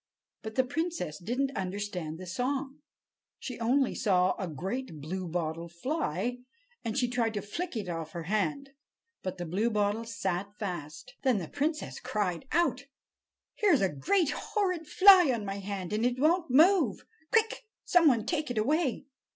But the princess didn't understand the song. She only saw a great bluebottle fly, and she tried to flick it off her hand. But the Bluebottle sat fast. Then the princess cried out: "Here's a great horrid fly on my hand, and it won't move! Quick! some one take it away!"